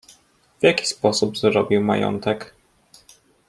"W jaki sposób zrobił majątek?"